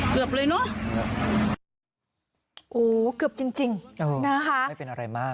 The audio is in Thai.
เกือบเลยเนอะโอ้โหเกือบจริงจริงนะคะไม่เป็นอะไรมาก